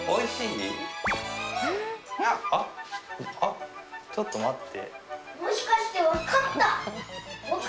あっあっちょっと待って。